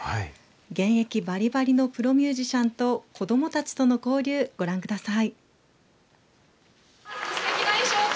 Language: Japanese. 現役ばりばりのプロミュージシャンと子どもたちとの交流ご覧ください。